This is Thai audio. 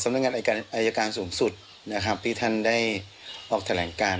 นักงานอายการสูงสุดนะครับที่ท่านได้ออกแถลงการ